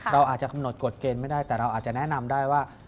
เราอาจจะกำหนดกฎเกณฑ์ไม่ได้แต่เราอาจจะแนะนำได้ว่า